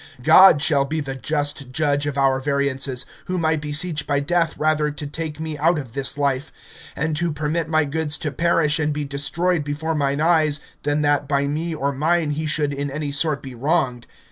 God shall be the just judge of our variances, whom I beseech by death rather to take me out of this life, and to permit my goods to perish and be destroyed before mine eyes, than that by me or mine he should in any sort be wronged.